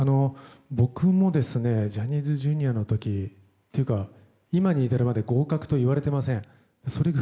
僕も、ジャニーズＪｒ．の時今に至るまで合格と言われていません。